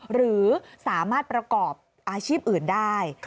หรือสามารถประกอบอาชีพอื่นได้